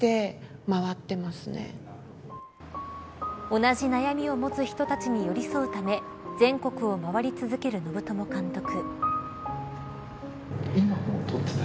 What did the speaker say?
同じ悩みを持つ人たちに寄り添うため全国を回り続ける信友監督。